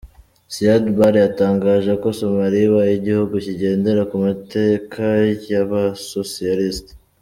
Siad Barre yatangaje ko Somalia ibaye igihugu kigendera ku mateka y’abasocialiste.